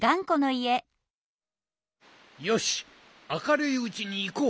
よしあかるいうちにいこう！